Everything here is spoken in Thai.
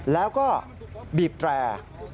แล้วก็บีบแตร